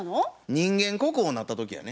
人間国宝なった時やね。